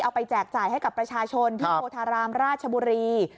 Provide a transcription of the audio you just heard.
ไปแจกจ่ายให้กับประชาชนที่โพธารามราชบุรี